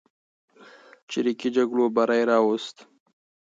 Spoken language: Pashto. چریکي جګړو بری راوست.